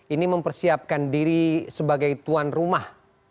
ini mempersiapkan diri sebagai tuan rumah